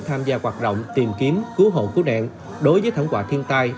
tham gia hoạt động tìm kiếm cứu hộ cứu nạn đối với thẩm quả thiên tai